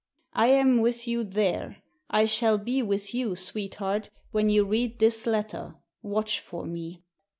I am with you there; I shall be with you, sweetheart, when you read this letter; watch for me.